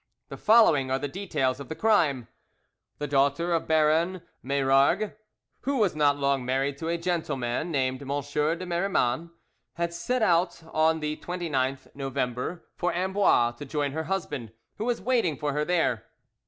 The following are the details of the crime: The daughter of Baron Meyrargues, who was not long married to a gentleman named M. de Miraman, had set out on the 29th November for Ambroix to join her husband, who was waiting for her there.